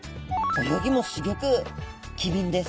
泳ぎもすギョく機敏です。